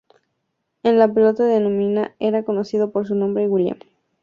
En la pelota dominicana era conocido por su nombre "William".